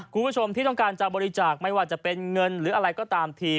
คุณผู้ชมที่ต้องการจะบริจาคไม่ว่าจะเป็นเงินหรืออะไรก็ตามที